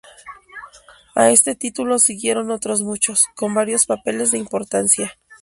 A este título siguieron otros muchos, con varios papeles de importancia.